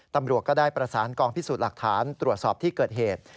ตำรวจก็ได้ประสานกองพิสูจน์หลักฐานตรวจสอบที่เกิดเหตุ